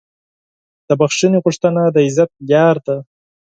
د بښنې غوښتنه د عزت لاره ده.